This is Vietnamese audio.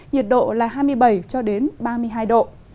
nhiệt độ là hai mươi bảy ba mươi hai độ